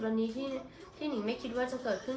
วันนี้ที่หนิงไม่คิดว่าจะเกิดขึ้น